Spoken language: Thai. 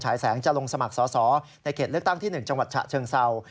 แสงจะลงสมัครสอสอในเขตเลือกตั้งที่๑จังหวัดฉะเชิงเศร้า